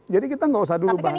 jadi kita gak usah dulu bahas